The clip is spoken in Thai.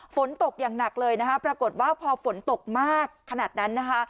ฝนตกอย่างหนักเลยนะคะปรากฏว่าพอฝนตกมากขนาดนั้นนะคะ